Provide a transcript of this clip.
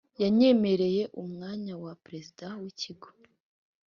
yanyemereye umwanya wa perezida w'ikigo.